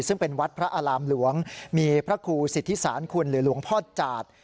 ซึ่งเป็นวัดพระอารามหลวงมีพระครูสิทธิสารคุณหรือหลวงพ่อจาด